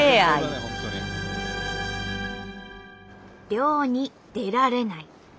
漁に出られない。